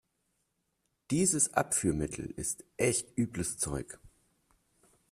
Dieses Abführmittel ist echt übles Zeug.